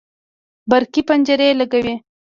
برقي پنجرې لګوي